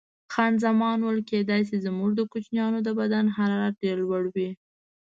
خان زمان وویل: کېدای شي، زموږ د کوچنیانو د بدن حرارت ډېر لوړ وي.